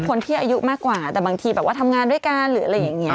แบบคนเฮียอายุมากกว่าแต่บางทีแบบว่าทำงานด้วยกันหรืออย่างเงี้ย